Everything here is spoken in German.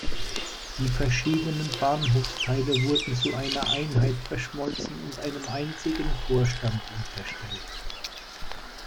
Die verschiedenen Bahnhofsteile wurden zu einer Einheit verschmolzen und einem einzigen Vorstand unterstellt.